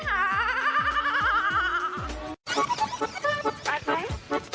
ปากไหน